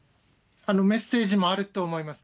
メッセージもあると思います。